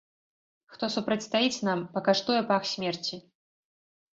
Хто супрацьстаіць нам, пакаштуе пах смерці!